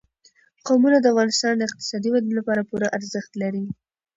قومونه د افغانستان د اقتصادي ودې لپاره پوره ارزښت لري.